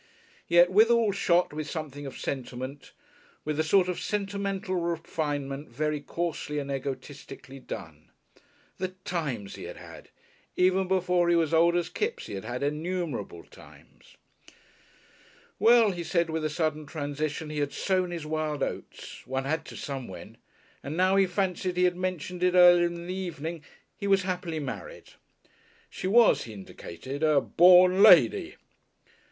Yet withal shot with something of sentiment, with a sort of sentimental refinement very coarsely and egotistically done. The Times he had had! even before he was as old as Kipps he had had innumerable times. Well, he said with a sudden transition, he had sown his wild oats one had to somewhen and now he fancied he had mentioned it earlier in the evening, he was happily married. She was, he indicated, a "born lady."